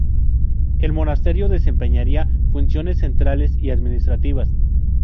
El monasterio desempeñaría funciones centrales y administrativas.